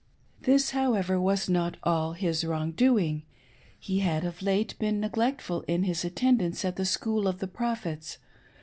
This, however, was not all his wrong doing; — he had of laite been neglectful in his attendance at the " School of the Prophets " 35 5/8 DISFELLOWSHIPPED.